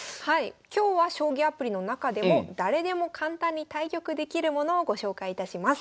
今日は将棋アプリの中でも誰でも簡単に対局できるものをご紹介いたします。